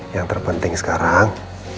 yang terpenting sekarang